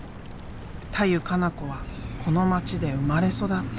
田湯加那子はこの町で生まれ育った。